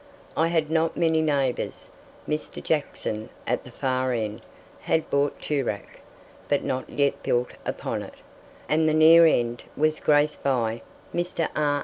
I had not many neighbours. Mr. Jackson, at the far end, had bought Toorak, but not yet built upon it; and the near end was graced by Mr. R.